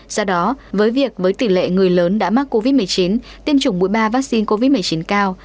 do đó với việc với tỷ lệ người lớn đã mắc covid một mươi chín tiêm chủng mũi ba vaccine covid một mươi chín cao